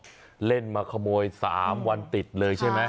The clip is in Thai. เล่นมาขโมย๓วันติดเลยใช่ไหม